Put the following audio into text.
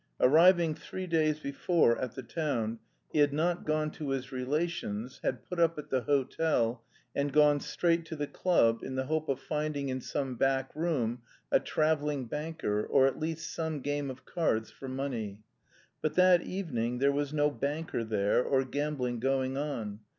Arriving three days before at the town, he had not gone to his relations, had put up at the hotel, and gone straight to the club in the hope of finding in some back room a "travelling banker," or at least some game of cards for money. But that evening there was no "banker" there or gambling going on.